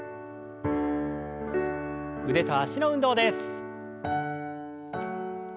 腕と脚の運動です。